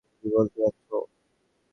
কী বলতে চাচ্ছো?